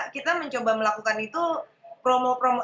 kita mencoba melakukan itu promo promo